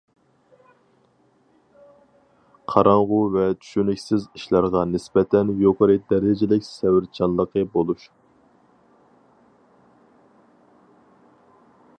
قاراڭغۇ ۋە چۈشىنىكسىز ئىشلارغا نىسبەتەن يۇقىرى دەرىجىلىك سەۋرچانلىقى بولۇش.